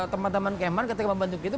teman teman keman ketika membantu kita